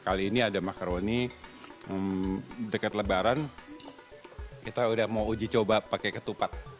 kali ini ada makaroni deket lebaran kita udah mau uji coba pakai ketupat